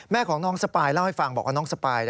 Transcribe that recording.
แม่ของน้องสปายเล่าให้ฟังบอกว่าน้องสปาย